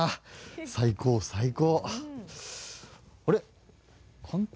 最高最高。